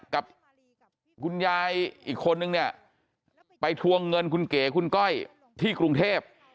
กับคุณยายอีกคนนึงเนี่ยไปทวงเงินคุณเก๋คุณก้อยที่กรุงเทพ